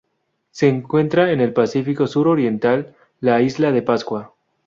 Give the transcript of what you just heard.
Se encuentra en el Pacífico sur-oriental: la Isla de Pascua.